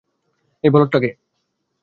এই বলদটা কে?